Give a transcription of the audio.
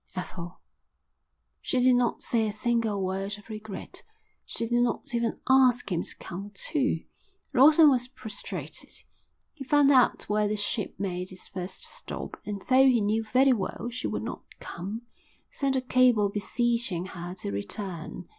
_ Ethel. She did not say a single word of regret. She did not even ask him to come too. Lawson was prostrated. He found out where the ship made its first stop and, though he knew very well she would not come, sent a cable beseeching her to return.